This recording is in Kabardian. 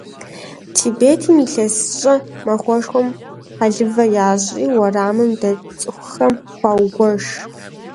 Тибетым ИлъэсыщӀэ махуэшхуэм хьэлывэ ящӀри, уэрамым дэт цӀыхухэм хуагуэш.